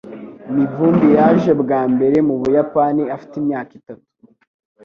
Mivumbi yaje bwa mbere mu Buyapani afite imyaka itatu.